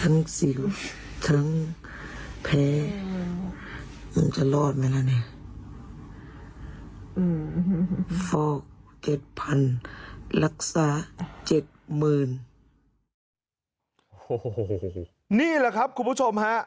โอ้โหนี่แหละครับคุณผู้ชมฮะ